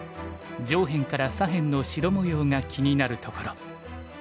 上辺から左辺の白模様が気になるところ。